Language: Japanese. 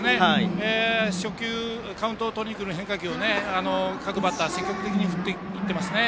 初球カウントをとりにくる変化球各バッターが積極的に振っていってますね。